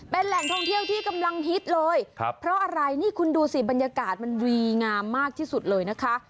เป็นแหล่งท่องเที่ยวที่กำลังฮิตเลยครับเพราะอะไรนี่คุณดูสิบรรยากาศมันวีงามมากที่สุดเลยนะคะ